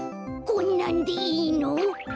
こんなんでいいの？